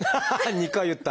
２回言った！